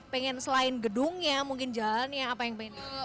pengen selain gedungnya mungkin jalannya apa yang pengen